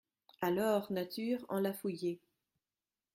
Alors, nature, on l’a fouillé.